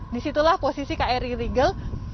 di situlah posisi kri regal